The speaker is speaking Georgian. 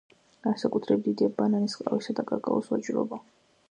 განსაკუთრებით დიდია ბანანის, ყავისა და კაკაოს ვაჭრობა.